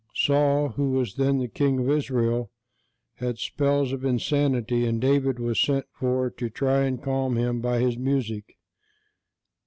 Saul, who was then the King of Israel, had spells of insanity, and David was sent for to try and calm him by his music.